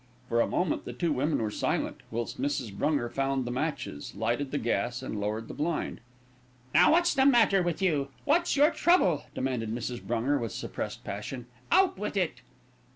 For a moment the two women were silent, whilst Mrs. Brunger found the matches, lighted the gas, and lowered the blind. "Now, what's the matter with you? What's your trouble?" demanded Mrs. Brunger, with suppressed passion. "Out with it."